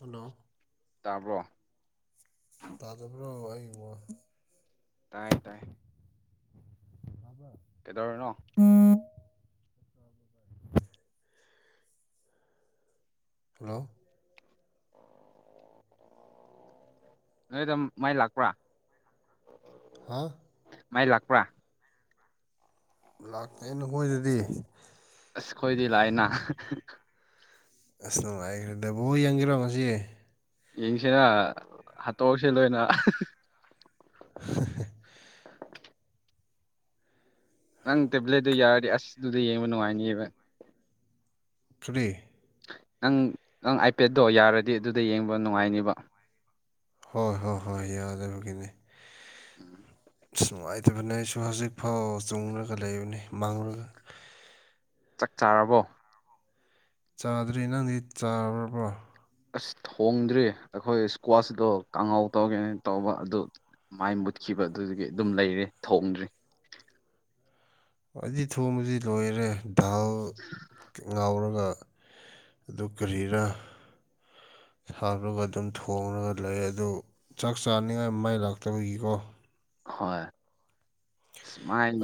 hello ꯇꯥꯕ꯭ꯔꯣ ꯇꯥꯖꯕ꯭ꯔꯣ ꯑꯩꯉ ꯇꯥꯏ ꯇꯥꯏ ꯍꯜꯂꯣ ꯀꯦꯗꯔ ꯅ ꯍꯜꯂꯣ ꯅꯣꯏꯗ ꯃꯥꯏ ꯂꯥꯛꯄ꯭ꯔꯥ ꯍꯥꯥ [unintelligible] ꯃꯥꯏ ꯂꯥꯛꯄ꯭ꯔꯥ ꯂꯥꯛꯇꯦ ꯅꯈꯣꯏꯗꯗꯤ ꯥꯏꯅ [unintelligible] ꯑꯁ ꯅꯨꯡꯉꯥꯏꯈ꯭ꯔꯦꯗꯕꯣ ꯌꯦꯡꯕꯤꯔꯣ ꯉꯁꯤ ꯌꯦꯡꯁꯤꯅ ꯍꯥꯠꯇꯣꯛꯁꯤ ꯂꯣꯏꯅ ꯅꯪ ꯇꯦꯕ꯭ꯂꯦꯠꯇꯨ ꯌꯥꯔꯗꯤ ꯑꯁ ꯑꯗꯨꯗ ꯌꯦꯡꯕ ꯅꯨꯡꯉꯥꯏꯅꯤꯑꯕ ꯀꯔꯤ ꯅꯪ ꯅꯪ ꯑꯥꯏꯄꯦꯗꯠꯇꯣ ꯌꯥꯔꯗꯤ ꯑꯗꯨꯗ ꯌꯦꯡꯕ ꯅꯨꯡꯉꯥꯏꯅꯤꯕ ꯍꯣꯏ ꯍꯣꯏ ꯍꯣꯏ ꯌꯥꯗꯕꯒꯤꯅꯦ ꯎꯝ ꯑꯁ ꯅꯨꯡꯉꯥꯏꯇꯕꯅꯦ ꯑꯩꯁꯨ ꯍꯧꯖꯤꯛ ꯐꯥꯎ ꯆꯨꯡꯉꯒ ꯂꯩꯕꯅꯤ ꯃꯥꯡꯂꯒ ꯆꯥꯛ ꯆꯥꯔꯕꯣ ꯆꯥꯗ꯭ꯔꯤ ꯅꯪꯗꯤ ꯆꯥꯔꯕꯣ ꯑꯁ ꯊꯣꯡꯗ꯭ꯔꯤ ꯑꯩꯈꯣꯏ ꯏꯁꯀ꯭ꯋꯥꯁꯗꯣ ꯀꯍꯥꯎ ꯇꯧꯒꯦꯅ ꯇꯧꯕ ꯑꯗꯨ ꯃꯥꯏ ꯃꯨꯠꯈꯤꯕ ꯑꯗꯨꯒꯤ ꯑꯗꯨꯝ ꯂꯩꯔꯦ ꯊꯣꯡꯗ꯭ꯔꯤ ꯑꯩꯗꯤ ꯊꯣꯡꯕꯁꯤ ꯂꯣꯏꯔꯦ ꯗꯥꯜ ꯉꯥꯎꯔꯒ ꯑꯗꯨ ꯀꯔꯤꯔ ꯁꯥꯄꯒ ꯑꯗꯨꯝ ꯊꯣꯡꯉꯒ ꯂꯩ ꯑꯗꯨ ꯆꯥꯛ ꯆꯥꯅꯤꯡꯉꯥꯏ ꯃꯥꯏ ꯂꯥꯛꯇꯕꯒꯤꯀꯣ ꯍꯣꯏ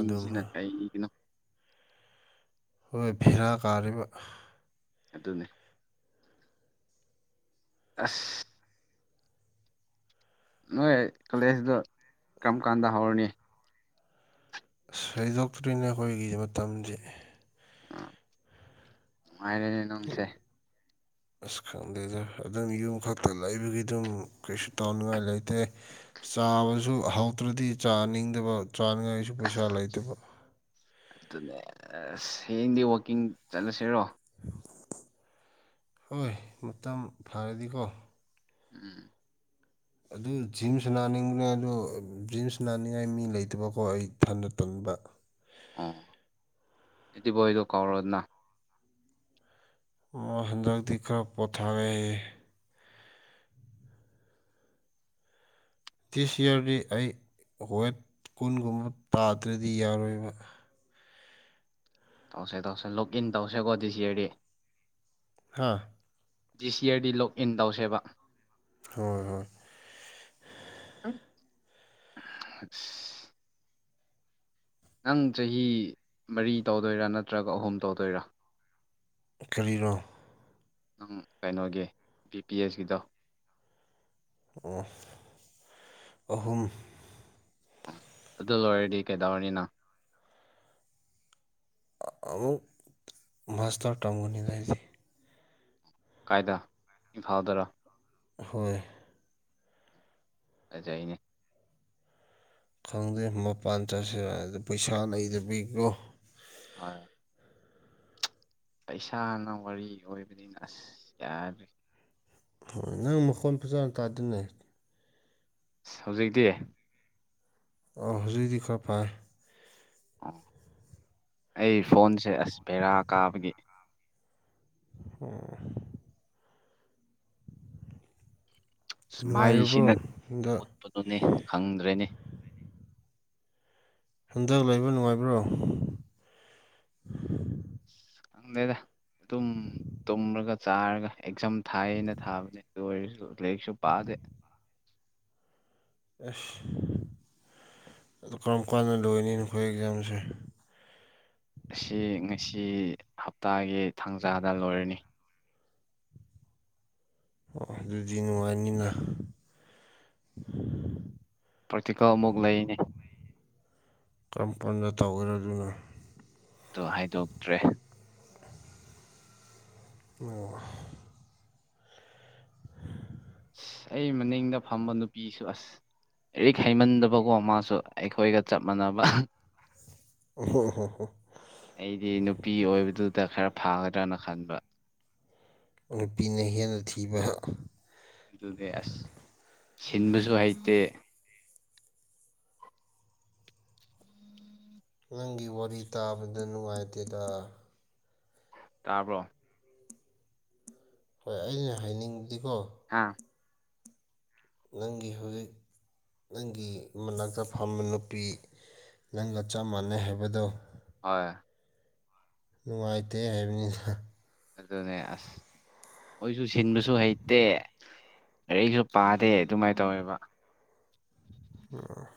ꯑꯗꯨꯝ ꯀꯔꯤꯒꯤꯒꯤꯅꯣ ꯑꯩꯈꯣꯏ ꯚꯦꯔꯥ ꯀꯥꯔꯤꯕ ꯑꯗꯨꯅꯤ ꯑꯁ ꯅꯣꯏ ꯀꯣꯂꯦꯖꯇ ꯀꯔꯝ ꯀꯥꯟꯗ ꯍꯧꯔꯅꯤ ꯁꯣꯏꯗꯣꯛꯇ꯭ꯔꯤꯅ ꯑꯩꯈꯣꯏꯒꯤ ꯃꯇꯝꯗꯤ ꯃꯥꯏꯅꯦ ꯅꯣꯟꯁꯦ ꯑꯁ ꯈꯪꯗꯦꯗ ꯑꯗꯨꯝ ꯌꯨꯝ ꯈꯛꯇ ꯂꯩꯕꯒꯤ ꯑꯗꯨꯝ ꯀꯩꯁꯨ ꯇꯥꯎꯅꯤꯡꯉꯥꯏ ꯂꯩꯇꯦ ꯆꯥꯕꯁꯨ ꯍꯧꯗ꯭ꯔꯗꯤ ꯆꯥꯅꯤꯡꯗꯕ ꯆꯥꯅꯤꯡꯉꯥꯏꯒꯤꯁꯨ ꯄꯩꯁꯥ ꯂꯩꯇꯕ ꯑꯗꯨꯅꯦꯁ ꯍꯌꯦꯡꯗꯤ ꯋꯥꯛꯀꯤꯡ ꯆꯠꯂꯁꯤꯔꯣ ꯍꯣꯏ ꯃꯇꯝ ꯐꯔꯗꯤꯀꯣ ꯎꯝ ꯑꯗꯨ ꯖꯤꯝꯁ ꯅꯥꯅꯤꯡꯕ꯭ꯔꯦ ꯑꯗꯨ ꯖꯤꯝꯁ ꯅꯥꯅꯤꯡꯉꯥꯏ ꯃꯤ ꯂꯩꯇꯕꯀꯣ ꯑꯩ ꯊꯟꯗ ꯇꯟꯕ ꯑꯣ ꯏꯗꯤ ꯕꯣꯏꯗꯣ ꯀꯥꯎꯔꯗꯅ ꯃꯥ ꯍꯟꯗꯛꯇꯤ ꯈꯔ ꯄꯣꯊꯥꯔꯦ ꯗꯤꯁ ꯏꯌꯥꯔꯗꯤ ꯑꯩ ꯋꯦꯠ ꯀꯨꯟꯒꯨꯝꯕ ꯇꯥꯗ꯭ꯔꯗꯤ ꯌꯥꯔꯣꯏꯕ ꯇꯧꯁꯦ ꯇꯧꯁꯦ ꯂꯣꯛ ꯏꯟ ꯇꯧꯁꯦꯀꯣ ꯗꯤ ꯁꯤ ꯑꯗꯤ ꯍꯥꯥ ꯗꯤꯁ ꯌꯥꯔꯗꯤ ꯂꯣꯛ ꯏꯟ ꯇꯧꯁꯦꯕ ꯍꯣꯏ ꯍꯣꯏ [unintelligible] ꯅꯪ ꯆꯍꯤ ꯃꯔꯤ ꯇꯧꯗꯣꯏꯔꯥ ꯅꯠꯇ꯭ꯔꯒ ꯑꯍꯨꯝ ꯇꯧꯗꯣꯏꯔꯥ ꯀꯔꯤꯔꯣ ꯅꯪ ꯀꯩꯅꯣꯒꯤ ꯕꯤ ꯄꯤ ꯑꯦꯁꯀꯤꯗꯣ ꯑꯣ ꯑꯍꯨꯝ ꯑꯗꯨ ꯂꯣꯏꯔꯗꯤ ꯀꯩꯗꯧꯔꯅꯤ ꯅꯪ ꯑꯃꯨꯛ ꯃꯥꯁꯇꯔ ꯇꯝꯒꯅꯤꯗꯥ ꯑꯩꯁꯤ ꯀꯥꯏꯗ ꯏꯝꯐꯥꯜꯗꯔ ꯍꯣꯏ ꯐꯖꯩꯅꯦ ꯈꯪꯗꯦ ꯃꯄꯥꯟ ꯆꯠꯁꯤꯔꯗ ꯄꯩꯁꯥ ꯂꯩꯗꯕꯒꯤꯀꯣ ꯍꯣꯏ ꯄꯩꯁꯥꯅ ꯋꯥꯔꯤ ꯑꯣꯏꯕꯅꯤꯅ ꯑꯁ ꯌꯥꯗ꯭ꯔꯦ ꯍꯣꯏ ꯅꯪ ꯃꯈꯣꯟ ꯐꯖꯥꯅ ꯇꯥꯗꯦꯅꯦ ꯑꯁ ꯍꯧꯖꯤꯛꯇꯤ ꯑꯣ ꯍꯧꯖꯤꯛꯗꯤ ꯈꯔ ꯐꯔꯦ ꯑꯣ ꯑꯩ ꯐꯣꯟꯁꯦ ꯑꯁ ꯕꯦꯔꯥ ꯀꯥꯕꯒꯤ ꯑꯣꯝ ꯑꯁ ꯅꯨꯡꯉꯥꯏꯔꯤꯕ꯭ꯔꯣ ꯃꯥꯏꯁꯤꯅ ꯍꯟꯗꯛ ꯎꯠꯄꯗꯨꯅꯤ ꯈꯪꯗ꯭ꯔꯦꯅꯦ ꯍꯟꯗꯛ ꯂꯩꯕ ꯅꯨꯡꯉꯥꯏꯕ꯭ꯔꯣ ꯈꯪꯗꯦꯗ ꯑꯗꯨꯝ ꯇꯨꯝꯔꯒ ꯆꯥꯔꯒ ꯑꯦꯛꯖꯥꯝ ꯊꯥꯏꯅ ꯊꯥꯕꯅꯤ ꯑꯗꯨ ꯑꯣꯏꯔꯁꯨ ꯂꯥꯏꯔꯤꯛꯁꯨ ꯄꯥꯗꯦ ꯑꯁ ꯑꯗꯨ ꯀꯔꯝ ꯀꯥꯟꯗ ꯂꯣꯏꯅꯤ ꯅꯈꯣꯏ ꯑꯦꯛꯖꯥꯝꯁꯦ ꯑꯁꯤ ꯉꯁꯤ ꯍꯞꯇꯥꯒꯤ ꯊꯥꯡꯖꯥꯗ ꯂꯣꯏꯔꯅꯤ ꯑꯣ ꯑꯗꯨꯗꯤ ꯅꯨꯡꯉꯥꯏꯅꯤꯅ ꯄ꯭ꯔꯦꯛꯇꯤꯀꯦꯜ ꯑꯃꯨꯛ ꯂꯩꯅꯤ ꯀꯔꯝꯀꯥꯟꯗ ꯇꯧꯒꯦꯔ ꯑꯗꯨꯅ ꯑꯗꯨ ꯍꯥꯏꯗꯣꯛꯇ꯭ꯔꯦ ꯑꯣ ꯑꯁ ꯑꯩ ꯃꯅꯤꯡꯗ ꯐꯝꯕ ꯅꯨꯄꯤꯁꯨ ꯑꯁ ꯂꯥꯏꯔꯤꯛ ꯍꯩꯃꯟꯗꯕꯀꯣ ꯃꯥꯁꯨ ꯑꯩꯈꯣꯏꯒ ꯆꯞ ꯃꯥꯟꯅꯕ ꯑꯣꯍꯣ ꯍꯣ ꯍꯣ ꯑꯩꯗꯤ ꯅꯨꯄꯤ ꯑꯣꯏꯕꯗꯨꯗ ꯈꯔ ꯐꯥꯒꯗ꯭ꯔꯅ ꯈꯟꯕ ꯅꯨꯄꯤꯅ ꯍꯦꯟꯅ ꯊꯤꯕ ꯑꯗꯨꯅꯦ ꯑꯁ ꯁꯤꯟꯕꯁꯨ ꯍꯩꯇꯦ ꯅꯪꯒꯤ ꯋꯥꯔꯤ ꯇꯥꯕꯗ ꯅꯨꯡꯉꯥꯏꯇꯦꯗ ꯇꯥꯕ꯭ꯔꯣ ꯍꯣꯏ ꯑꯩꯅ ꯍꯥꯏꯅꯤꯡꯕꯗꯤꯀꯣ ꯍꯥꯥ ꯅꯪꯒꯤ ꯍꯧꯖꯤꯛ ꯅꯪꯒꯤ ꯃꯅꯥꯛꯇ ꯐꯝꯕ ꯅꯨꯄꯤ ꯅꯪꯒ ꯆꯞ ꯃꯥꯟꯅꯩ ꯍꯥꯏꯕꯗꯣ ꯍꯣꯏ ꯅꯨꯡꯉꯥꯏꯇꯦ ꯍꯥꯏꯕꯅꯤꯗ ꯑꯗꯨꯅꯦ ꯑꯁ ꯃꯣꯏꯁꯨ ꯁꯤꯟꯕꯁꯨ ꯍꯩꯇꯦ ꯂꯥꯏꯔꯤꯛꯁꯨ ꯄꯥꯗꯦ ꯑꯗꯨꯃꯥꯏꯅ ꯇꯧꯋꯦꯕ ꯑꯣ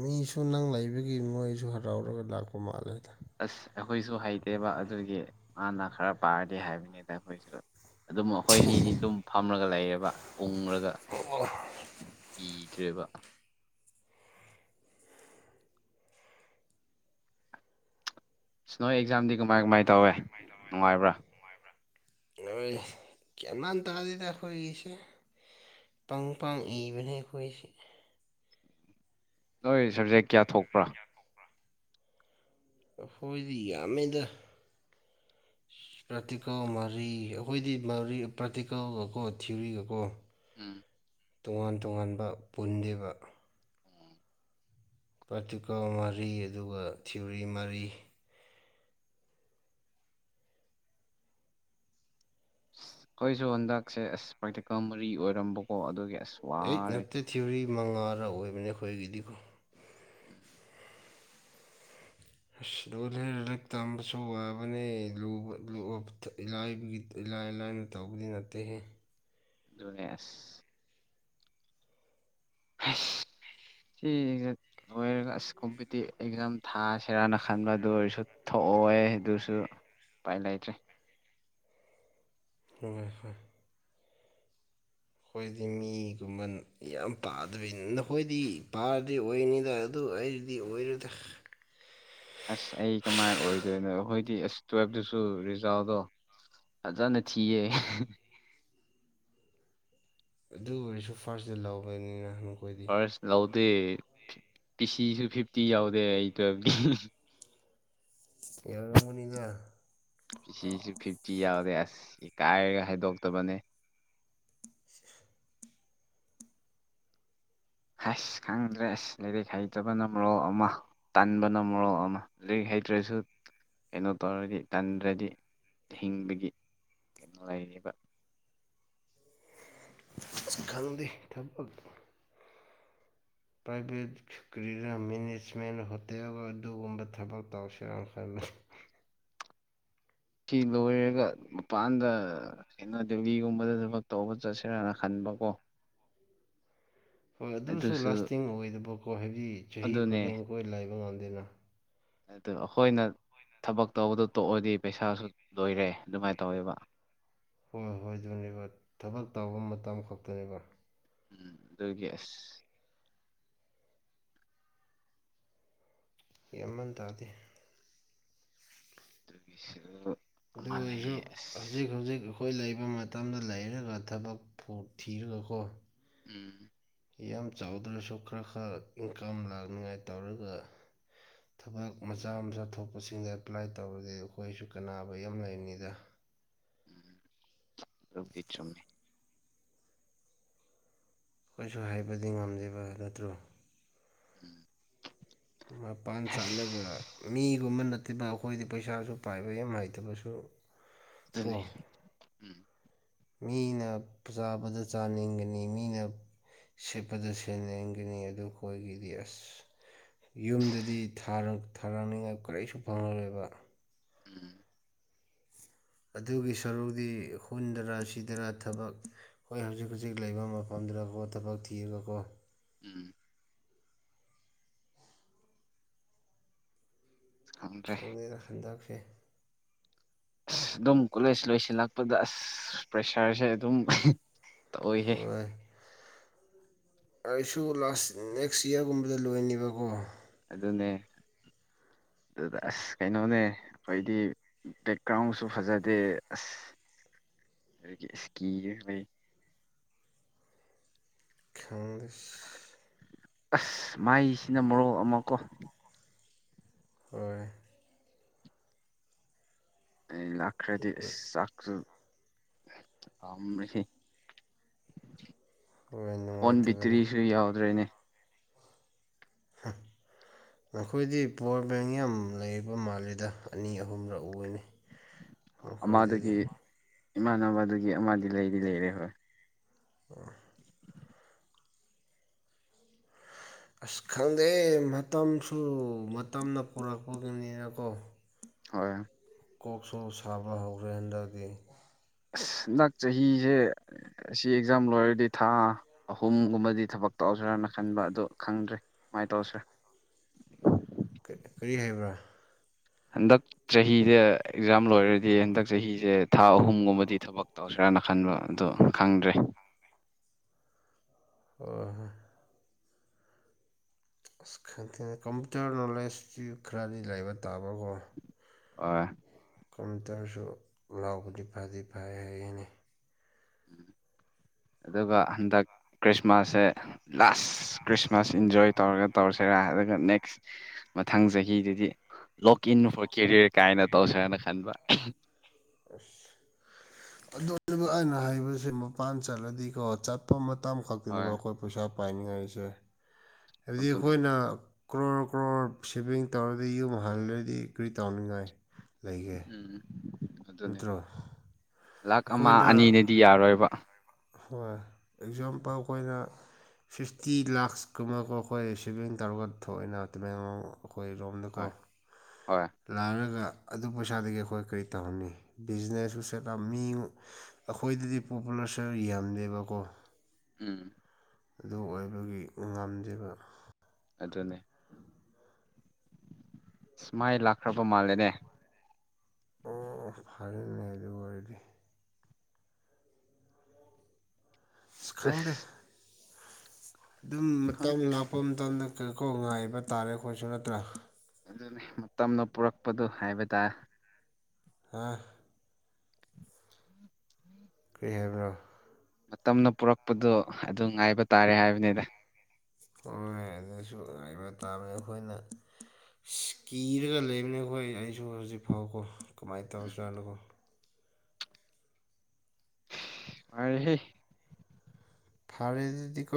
ꯃꯤꯁꯨ ꯅꯪ ꯂꯩꯕꯒꯤ ꯃꯣꯏꯁꯨ ꯍꯔꯥꯎꯔꯒ ꯂꯥꯛꯄ ꯃꯥꯜꯂꯦꯗ ꯑꯁ ꯑꯩꯈꯣꯏꯁꯨ ꯍꯩꯇꯦꯕ ꯑꯗꯨꯒꯤ ꯃꯥꯅ ꯈꯔ ꯄꯥꯔꯗꯤ ꯍꯥꯏꯕꯅꯤꯗ ꯑꯩꯈꯣꯏꯁꯨ ꯑꯗꯨꯝ ꯑꯩꯈꯣꯏꯅꯤꯗꯤ ꯑꯗꯨꯝ ꯐꯝꯃꯒ ꯂꯩꯌꯦꯕ ꯎꯪꯔꯒ ꯏꯗ꯭ꯔꯦꯕ ꯁꯅꯣ ꯑꯦꯛꯖꯥꯝꯗꯤ ꯀꯃꯥꯏ ꯀꯃꯥꯏ ꯇꯧꯋꯦ ꯅꯨꯡꯉꯥꯏꯕ꯭ꯔꯥ ꯅꯣꯏ ꯒ꯭ꯌꯥꯟ ꯃꯦꯟ ꯇꯥꯗꯦꯗ ꯑꯩꯈꯣꯏꯖꯦ ꯄꯪ ꯄꯥꯡ ꯏꯕꯅꯦ ꯑꯩꯈꯣꯏꯁꯦ ꯅꯣꯏ ꯁꯕꯖꯦꯛ ꯀꯌꯥ ꯊꯣꯛꯄ꯭ꯔꯥ ꯑꯩꯈꯣꯏꯗꯤ ꯌꯥꯝꯃꯦꯗ ꯄ꯭ꯔꯥꯛꯇꯤꯀꯜ ꯃꯔꯤ ꯑꯩꯈꯣꯏꯗꯤ ꯃꯔꯤ ꯄ꯭ꯔꯥꯛꯇꯤꯀꯜꯒꯀꯣ ꯊꯤꯌꯔꯤꯒꯀꯣ ꯎꯝ ꯇꯣꯉꯥꯟ ꯇꯣꯉꯥꯟꯕ ꯄꯨꯟꯗꯦꯕ ꯄ꯭ꯔꯥꯛꯇꯤꯀꯜ ꯃꯔꯤ ꯑꯗꯨꯒ ꯊꯤꯑꯣꯔꯤ ꯃꯔꯤ ꯑꯁ ꯑꯩꯈꯣꯏꯁꯨ ꯍꯟꯗꯛꯁꯦ ꯑꯁ ꯄ꯭ꯔꯦꯇꯤꯀꯦꯜ ꯃꯔꯤ ꯑꯣꯏꯔꯝꯕꯀꯣ ꯑꯗꯨꯒꯤ ꯑꯁ ꯑꯩꯠ ꯋꯥꯔꯦ ꯅꯠꯇ ꯊꯤꯑꯣꯔꯤ ꯃꯉꯥꯔ ꯑꯣꯏꯕꯅꯦ ꯑꯩꯈꯣꯏꯒꯤꯗꯤꯀꯣ ꯑꯁ ꯂꯣ ꯍꯦ ꯂꯥꯏꯔꯤꯛ ꯇꯝꯕꯁꯨ ꯋꯥꯕꯅꯦ ꯏꯂꯥꯏꯒꯤ ꯏꯂꯥꯏ ꯂꯥꯏꯅ ꯇꯧꯕꯗꯤ ꯅꯠꯇꯦꯍꯦ ꯗꯨꯅꯦ ꯑꯁ [unintelligible] ꯂꯣꯏꯔꯒ ꯑꯁ ꯀꯣꯝꯄꯤꯇꯤꯚ ꯑꯦꯛꯖꯥꯝ ꯊꯥꯁꯤꯔꯥꯅ ꯈꯟꯕ ꯑꯗꯨ ꯑꯣꯏꯔꯁꯨ ꯊꯣꯛꯑꯣ ꯌꯦ ꯑꯗꯨꯁꯨ ꯎꯄꯥꯏ ꯂꯩꯇ꯭ꯔꯦ ꯍꯣꯏ ꯍꯣꯏ ꯑꯩꯈꯣꯏꯗꯤ ꯃꯤꯒꯨꯝꯕꯟ ꯌꯥꯝ ꯄꯥꯗꯕꯤꯅꯤ ꯅꯈꯣꯏꯗꯤ ꯄꯥꯔꯗꯤꯗꯤ ꯑꯣꯏꯅꯤꯗ ꯑꯗꯨ ꯑꯩꯗꯤ ꯑꯣꯏꯔꯨꯗ꯭ꯔ ꯑꯁ ꯑꯩ ꯀꯃꯥꯏꯅ ꯑꯣꯏꯗꯣꯏꯅꯣ ꯑꯩꯈꯣꯏꯗꯤ ꯑꯁ ꯇꯨꯌꯦꯦꯜꯞꯇꯁꯨ ꯔꯤꯖꯥꯜꯗꯣ ꯐꯖꯅ ꯊꯤꯌꯦ ꯑꯗꯨ ꯑꯣꯏꯔꯁꯨ ꯐꯥꯔꯁ ꯗꯦ ꯂꯧꯕꯅꯤꯅꯪ ꯐꯥꯔꯁ ꯂꯧꯗꯦ ꯄꯤ ꯁꯤꯁꯨ ꯐꯤꯐꯇꯤ ꯌꯥꯎꯗꯦ ꯑꯩ ꯇꯨꯋꯦꯜꯐꯀꯤ ꯌꯧꯔꯝꯒꯅꯤꯗ ꯤ ꯁꯤꯁꯨ ꯐꯤꯐꯇꯤ ꯌꯥꯎꯔꯦ ꯑꯁ ꯏ ꯀꯥꯏꯔꯒ ꯍꯥꯏꯗꯣꯛꯇꯕꯅꯦ ꯍꯁ ꯈꯪꯗ꯭ꯔꯦ ꯑꯁ ꯂꯩꯥꯏꯔꯤꯛ ꯍꯩꯇꯕ ꯅ ꯃꯔꯔꯣ ꯑꯃ ꯇꯥꯟꯕꯅ ꯃꯣꯔꯣꯛ ꯑꯃ ꯂꯤꯛ ꯍꯩꯇ꯭ꯔꯁꯨ ꯀꯩꯅꯣ ꯇꯧꯔꯗꯤ ꯇꯟꯗ꯭ꯔꯗꯤ ꯍꯤꯡꯕꯒꯤ ꯀꯩꯅꯣ ꯂꯩꯔꯤꯕ ꯈꯪꯗꯦ ꯊꯕꯛ ꯄ꯭ꯔꯥꯏꯚꯦꯠ ꯀꯔꯤꯗ ꯃꯦꯅꯦꯖꯃꯦꯟ ꯍꯣꯇꯦꯜ ꯑꯗꯨꯒꯨꯝꯕ ꯊꯕꯛ ꯇꯧꯁꯤꯔ ꯈꯜ ꯐꯤ ꯂꯣꯏꯔꯒ ꯃꯄꯥꯟꯗ ꯀꯩꯅ ꯗꯦꯜꯂꯤꯒꯨꯝꯕꯗ ꯊꯕꯛ ꯇꯧꯕ ꯆꯠꯁꯤꯔꯥꯅ ꯈꯟꯕ ꯀꯣ ꯍꯣꯏ ꯑꯗꯨꯁꯨ ꯂꯥꯁꯇꯤꯡ ꯑꯣꯏꯗꯕꯀꯣ ꯍꯥꯏꯕꯗꯤ ꯆꯍꯤ ꯑꯗꯨꯅꯦ ꯈꯨꯗꯤꯡ ꯀꯣꯏ ꯂꯥꯏꯕ ꯉꯝꯗꯦꯅ ꯑꯗꯨ ꯑꯩꯈꯣꯏꯅ ꯊꯕꯛ ꯇꯧꯕꯗꯣ ꯇꯣꯛꯑꯗꯤ ꯄꯩꯁꯥꯁꯨ ꯂꯣꯏꯔꯦ ꯑꯗꯨꯃꯥꯏꯅ ꯇꯧꯋꯦꯕ ꯍꯣꯏ ꯍꯣꯏ ꯑꯗꯨꯅꯦꯕ ꯊꯕꯛ ꯇꯧꯕ ꯃꯇꯝ ꯈꯛꯇꯅꯦꯕ ꯎꯝ ꯑꯗꯨꯒꯤ ꯑꯁ ꯑꯩ ꯌꯥꯝꯃꯟ ꯇꯥꯗꯦ ꯒꯤꯁꯨ ꯑꯗꯨ ꯑꯣꯏꯔꯁꯨ ꯍꯧꯖꯤꯛ ꯍꯧꯖꯤꯛ ꯑꯩꯈꯣꯏ ꯂꯩꯕ ꯃꯇꯝꯗ ꯂꯩꯔꯒ ꯊꯕꯛ ꯐ ꯊꯤꯔꯒꯀꯣ ꯎꯝ ꯌꯥꯝ ꯆꯥꯎꯗ꯭ꯔꯁꯨ ꯈꯔ ꯈꯔ ꯏꯟꯀꯥꯝ ꯂꯥꯛꯅꯤꯉꯥꯏ ꯇꯧꯔꯒ ꯊꯕꯛ ꯃꯆꯥ ꯃꯆꯥ ꯊꯣꯛꯄꯁꯤꯡꯗ ꯑꯦꯄ꯭ꯂꯥꯏ ꯇꯧꯔꯗꯤ ꯑꯩꯈꯣꯏꯁꯨ ꯀꯅꯥꯕ ꯌꯥꯝ ꯂꯩꯔꯤꯅꯤꯗ ꯎꯝ ꯆꯨꯝꯃꯤ ꯑꯩꯈꯣꯏꯁꯨ ꯍꯥꯏꯕꯗꯤ ꯉꯝꯗꯕ ꯅꯠꯇ꯭ꯔꯣ ꯎꯝ ꯃꯄꯥꯟ ꯑꯁ ꯆꯥꯂꯒ ꯃꯤꯒꯨꯝꯕꯅ ꯕ ꯑꯩꯈꯣꯏꯗꯤ ꯄꯩꯁꯥꯁꯨ ꯄꯥꯏꯕ ꯌꯥꯝ ꯅꯨꯡꯉꯥꯏꯇꯕꯁꯨ ꯀꯣ ꯑꯗꯨꯅꯤ ꯎꯝ ꯃꯤꯅ ꯆꯥꯕꯗ ꯆꯥꯅꯤꯡꯒꯅꯤ ꯃꯤꯅ ꯁꯤꯠꯄꯗ ꯁꯦꯜ ꯌꯦꯦꯡꯒꯅꯤ ꯑꯗꯨ ꯀꯣꯏꯒꯤꯗꯤ ꯑꯁ ꯌꯨꯝꯗꯗꯤ ꯊꯥꯔꯥꯡꯅꯤꯡꯉꯥꯏ ꯀꯔꯤꯁꯨ ꯐꯪꯉꯔꯣꯏꯕ ꯎꯝ ꯑꯗꯨꯒꯤ ꯁꯔꯨꯛꯗꯤ ꯍꯨꯟꯗꯔꯥ ꯁꯤꯗꯔꯥ ꯊꯕꯛ ꯍꯣꯏ ꯍꯧꯖꯤꯛ ꯍꯧꯖꯤꯛ ꯂꯩꯕ ꯃꯐꯝꯗꯨꯗꯀꯣ ꯊꯕꯛ ꯊꯤꯔꯒꯀꯣ ꯎꯝ ꯈꯪꯗ꯭ꯔꯦ ꯈꯪꯅꯔ ꯍꯟꯗꯛꯁꯦ ꯑꯁ ꯑꯗꯨꯝ ꯀꯣꯂꯦꯖ ꯂꯣꯏꯁꯤꯜꯂꯛꯄꯗ ꯑꯁ ꯄ꯭ꯔꯦꯁꯔꯁꯦ ꯑꯗꯨꯝ ꯇꯧꯏꯍꯦ ꯑꯣꯏꯣꯏ ꯑꯩꯁꯨ ꯂꯥꯁ ꯅꯦꯛꯁ ꯏꯌꯥꯔꯒꯨꯝꯕꯗ ꯂꯣꯏꯅꯦꯕꯀꯣ ꯑꯗꯨꯅꯦ ꯑꯗꯨꯗ ꯑꯁ ꯀꯩꯅꯣꯅꯦ ꯑꯩꯈꯣꯏꯗꯤ ꯕꯦꯛꯒ꯭ꯔꯥꯎꯟꯁꯨ ꯐꯖꯗꯦ ꯑꯁ ꯑꯗꯒꯤ ꯏꯁꯀꯤꯗꯨ ꯂꯩ ꯈꯪꯗꯁ ꯑꯁ ꯃꯥꯏꯁꯤꯅ ꯃꯣꯔꯣꯛ ꯑꯃ ꯀꯣ ꯍꯣꯏ ꯑꯩ ꯂꯥꯛꯈ꯭ꯔꯗꯤ ꯑꯥꯛ ꯑ ꯍꯣꯏ ꯐꯣꯟ ꯅꯨꯡꯉꯥꯏꯇꯕꯅꯤ ꯕꯦꯇꯔꯤꯁꯨ ꯌꯥꯎꯗ꯭ꯔꯦꯅꯦ ꯍ ꯅꯈꯣꯏꯗꯤ ꯄꯋꯥꯔ ꯕꯦꯡ ꯌꯥꯝ ꯂꯩꯕ ꯃꯥꯜꯂꯤꯗ ꯑꯅꯤ ꯑꯍꯨꯝꯂꯛꯎꯅꯤ ꯑꯃꯗꯨꯒꯤ ꯏꯃꯥꯟꯅꯕꯗꯨꯒꯤ ꯑꯃꯗꯤ ꯂꯩꯗꯤ ꯂꯩꯔꯦ ꯍꯣꯏ ꯑꯣ ꯑꯁ ꯈꯪꯗꯦ ꯃꯇꯝꯁꯨ ꯃꯇꯝꯅ ꯄꯨꯔꯛꯄꯒꯤꯅꯤꯅꯀꯣ ꯍꯣꯏ ꯀꯣꯛꯁꯨ ꯁꯥꯕ ꯍꯧꯈ꯭ꯔꯦ ꯍꯟꯗꯛꯇꯤ ꯍꯟꯗꯛ ꯆꯍꯤꯁꯦ ꯑꯁꯤ ꯑꯦꯛꯖꯥꯝ ꯂꯣꯏꯔꯗꯤ ꯊꯥ ꯑꯍꯨꯝꯒꯨꯝꯕꯗꯤ ꯊꯕꯛ ꯇꯧꯁꯤꯔꯥꯅ ꯈꯟꯕ ꯑꯗꯨ ꯈꯪꯗ꯭ꯔꯦ ꯁꯨꯃꯥꯏ ꯇꯧꯁꯦ ꯀꯔꯤ ꯍꯥꯏꯕ꯭ꯔꯥ ꯍꯟꯗꯛ ꯆꯍꯤꯗ ꯑꯦꯛꯖꯥꯝ ꯂꯣꯏꯔꯗꯤ ꯍꯟꯗꯛ ꯆꯍꯤꯁꯦ ꯊꯥ ꯑꯍꯨꯝꯒꯨꯝꯕꯗꯤ ꯊꯕꯛ ꯇꯧꯁꯔꯥꯅ ꯈꯟꯕ ꯑꯗꯨ ꯈꯪꯗ꯭ꯔꯦ ꯑꯍꯥ ꯑꯁ ꯈꯊꯦꯡꯅ ꯀꯝꯄꯨꯇꯔ ꯅꯣꯂꯦꯖꯇ ꯈꯔꯗꯤ ꯂꯩꯕ ꯇꯥꯕꯀꯣ ꯑꯣ ꯀꯝꯇꯔꯁꯨ ꯂꯥꯎꯕꯗꯤ ꯐꯗꯤ ꯐꯩ ꯍꯥꯏꯅꯤ ꯑꯗꯨꯒ ꯍꯟꯗꯛ ꯈ꯭ꯔꯤꯁꯃꯥꯁꯁꯦ ꯂꯥꯁ ꯈ꯭ꯔꯤꯁꯃꯥꯁ ꯏꯟꯖꯣꯏ ꯇꯧꯔꯒ ꯇꯧꯁꯤꯔꯥ ꯑꯗꯨꯒ ꯅꯦꯛꯁ ꯃꯊꯪ ꯆꯍꯤꯗꯨꯗꯤ ꯂꯣꯛ ꯏꯟ ꯐꯣꯔ ꯀꯦꯔꯤꯌꯔ ꯀꯥꯏꯅ ꯇꯧꯁꯦꯅ ꯈꯟꯕ ꯑꯁ ꯑꯗꯨ ꯑꯩꯅ ꯍꯥꯏꯕꯁꯦ ꯃꯄꯥꯟ ꯆꯠꯂꯗꯤꯀꯣ ꯆ ꯃꯐꯝ ꯃꯇꯝꯇꯥ ꯍꯣꯏ ꯈꯛꯇꯅꯦꯕ ꯑꯩꯈꯣꯏ ꯄꯩꯁꯥ ꯄꯥꯏꯅꯤꯡꯉꯥꯏꯁꯦ ꯍꯥꯏꯕꯗꯤ ꯑꯗꯨꯅꯤ ꯑꯩꯈꯣꯏꯅ ꯀ꯭ꯔꯣꯔ ꯀ꯭ꯔꯣꯔ ꯁꯦꯚꯤꯡ ꯇꯧꯔꯗꯤ ꯌꯨꯝ ꯍꯜꯂꯗꯤ ꯀꯨꯔꯤ ꯇꯥꯎꯅꯤꯡꯉꯥꯏ ꯂꯩꯒꯦ ꯎꯝ ꯑꯗꯨꯅꯦ ꯅꯠꯇ꯭ꯔꯣ ꯂꯥꯛ ꯑꯃ ꯑꯩꯈꯣꯏꯅ ꯑꯅꯤꯅꯗꯤ ꯌꯥꯔꯣꯏꯕ ꯍꯣꯏ ꯑꯦꯛꯖꯥꯝꯄꯜ ꯑꯩꯈꯣꯏꯅ ꯐꯤꯐꯇꯤ ꯂꯥꯛꯁ ꯀꯨꯝꯕꯒꯣ ꯑꯩꯈꯣꯏ ꯁꯤꯦꯚꯤꯡ ꯇꯧꯔꯒ ꯊꯣꯛꯑꯏꯅ ꯇꯃꯥꯏꯅꯡ ꯍꯣꯏ ꯑꯩꯈꯣꯏꯔꯣꯝꯗꯀꯣ ꯍꯣꯏ ꯂꯥꯔꯒ ꯑꯗꯨ ꯄꯩꯁꯥꯗꯒꯤ ꯑꯩꯈꯣꯏ ꯀꯔꯤ ꯇꯧꯍꯟꯅꯤ ꯕꯤꯖꯤꯅꯦꯁꯁꯨ ꯁꯦꯠꯇ ꯃꯤ ꯑꯩꯈꯣꯏꯗꯗꯤ ꯄꯣꯄꯨꯂꯔꯁꯟ ꯌꯥꯝꯗꯦꯕꯀꯣ ꯎꯝ ꯑꯗꯨ ꯑꯣꯏꯕꯒꯤ ꯉꯝꯗꯕ ꯑꯗꯨꯅꯦ ꯁꯃꯥꯏ ꯂꯥꯛꯈ꯭ꯔꯕ ꯃꯥꯜꯂꯦꯅꯦ ꯑꯣ ꯑꯣ ꯐꯔꯅꯦ ꯑꯗꯨ ꯑꯣꯏꯔꯗꯤ ꯑꯁ ꯈꯥꯥꯪꯗꯦ ꯑꯗꯨꯝ ꯃꯇꯝ ꯂꯥꯛꯄ ꯃꯇꯝꯗ ꯀꯩꯀꯣ ꯉꯥꯏꯕ ꯇꯥꯔꯦ ꯑꯩꯈꯣꯏꯁꯨ ꯅꯠꯇ꯭ꯔꯥ ꯑꯗꯨꯅꯤ ꯃꯇꯝꯅ ꯄꯨꯔꯛꯄꯗꯣ ꯍꯥꯏꯕ ꯇꯥꯔꯦ ꯍꯥꯥ ꯀꯔꯤ ꯍꯥꯏꯕ꯭ꯔꯥ ꯃꯇꯝꯅ ꯄꯨꯔꯛꯄꯗꯣ ꯑꯗꯨ ꯉꯥꯏꯕ ꯇꯥꯔꯦ ꯍꯥꯏꯕꯅꯤꯗ ꯍꯣꯏ ꯑꯗꯨꯁꯨ ꯍꯥꯏꯕ ꯇꯥꯃꯦ ꯑꯩꯈꯣꯏꯅ ꯁꯤꯁ ꯀꯤꯔꯒ ꯂꯩꯕꯅꯈꯣꯏ ꯑꯩꯁꯨ ꯍꯧꯖꯤꯛ ꯐꯥꯎꯀꯣ ꯀꯃꯥꯏꯅ ꯇꯧꯔꯖꯥꯠꯅꯣꯀꯣ ꯅꯨꯉꯥꯏꯔꯦꯍꯦ ꯐꯥꯔꯦꯗꯨꯗꯤ ꯀꯣ